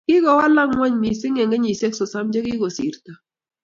Kikowalang ngony mising eng kenyisiek sosom che kikosirto